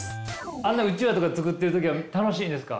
あんなウチワとかつくってる時は楽しいんですか？